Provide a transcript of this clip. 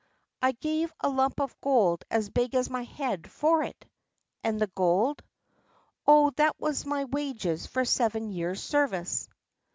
"I gave a lump of gold as big as my head for it." "And the gold?" "Oh, that was my wages for seven years' service."